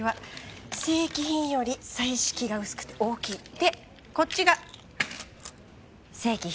でこっちが正規品。